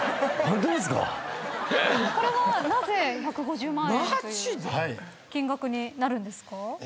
これはなぜ１５０万円という金額になるんですか？